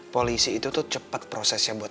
polisi itu tuh cepat prosesnya buat